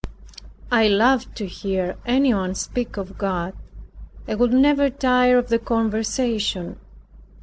I loved to hear anyone speak of God, and would never tire of the conversation.